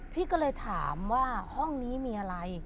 พี่ก็เลยถามว่าห้องนี้มีอะไร